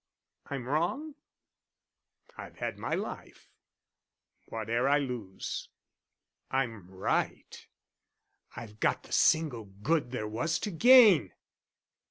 I'm wrong? I've had my life, whate'er I lose: I'm right? I've got the single good there was to gain.